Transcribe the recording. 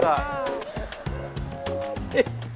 ฮือ